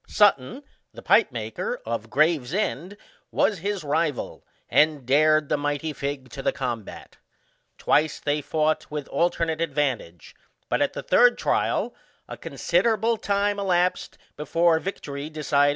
Sutton, the pipe maker, of Graves end, was his rival, and dared the mighty Figg to the combat. Twice they fought with alternate advantage, but, at the third trial, a considerable time elapsed before victory decided for either party.?